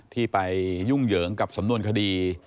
ที่ไปยุ่งเหยิงกับสำนวนคดี